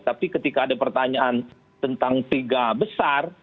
tapi ketika ada pertanyaan tentang tiga besar